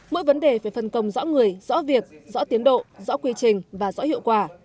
mỗi vấn đề phải phân công rõ người rõ việc rõ tiến độ rõ quy trình và rõ hiệu quả